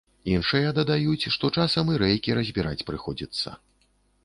Іншыя дадаюць, што часам і рэйкі разбіраць прыходзіцца.